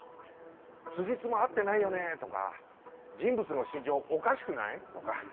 「つじつま合ってないよね」とか「人物の心情おかしくない？」とか。